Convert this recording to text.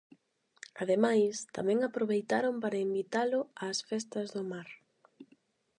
Ademais, tamén aproveitaron para invitalo ás festas do mar.